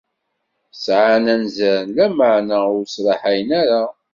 Sɛan anzaren, lameɛna ur sraḥayen ara.